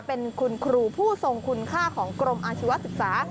เป็นคุณครูผู้ทรงคุณค่าของกรมอาชีวศึกษา